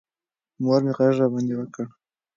مور مې غږ راباندې وکړ.